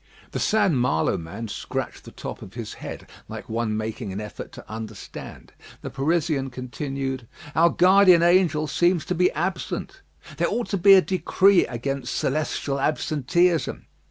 The St. Malo man scratched the top of his head, like one making an effort to understand. The Parisian continued: "Our guardian angel seems to be absent. There ought to be a decree against celestial absenteeism.